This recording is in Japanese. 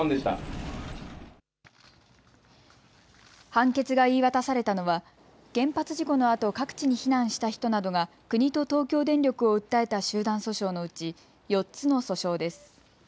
判決が言い渡されたのは原発事故のあと各地に避難した人などが国と東京電力を訴えた集団訴訟のうち４つの訴訟です。